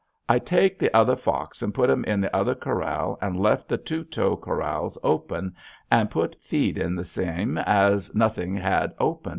i take the other fox and put em in the other Corall and left the 2 tow Coralls open and put feed in the seam es nothing ad apen.